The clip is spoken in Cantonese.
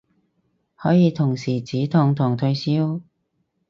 可以同時止痛同退燒